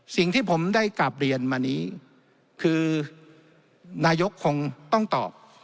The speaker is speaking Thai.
สิ่งที่ผมได้กราบเรียนมานี้คือนายกคงต้องตอบ